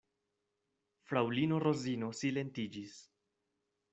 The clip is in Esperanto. Fraŭlino Rozino silentiĝis.